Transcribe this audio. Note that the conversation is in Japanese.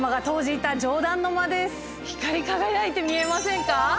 光り輝いて見えませんか？